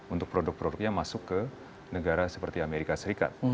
untuk produk produknya masuk ke negara seperti amerika serikat